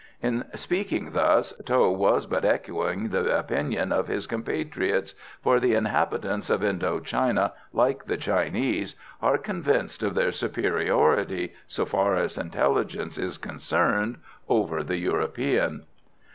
In speaking thus Tho was but echoing the opinions of his compatriots, for the inhabitants of Indo China, like the Chinese, are convinced of their superiority, so far as intelligence is concerned, over the European.